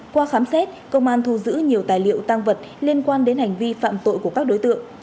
qua khám xét công an thu giữ nhiều tài liệu tăng vật liên quan đến hành vi phạm tội của các đối tượng